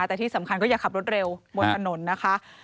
แต่ที่สำคัญก็อย่าขับรถเร็วบนถนนนะคะ